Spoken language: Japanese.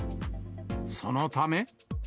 そのため。